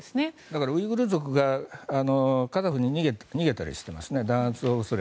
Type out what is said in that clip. だからウイグル族がカザフに逃げたりしていますね。